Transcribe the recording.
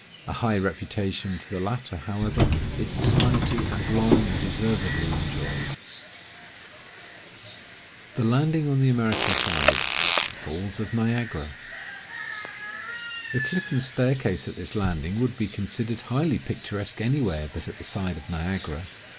A high reputation for the latter, however, its society has long and deservedly enjoyed. THE LANDING ON THE AMERICAN SIDE. (FALLS OF NIAGARA.) The cliff and staircase at this Landing would be considered highly picturesque any where but at the side of Niagara.